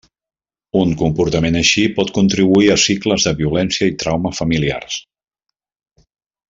Un comportament així pot contribuir a cicles de violència i trauma familiars.